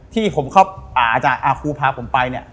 ที่ผมเข้าป่าครูพาผมไปเนี่ย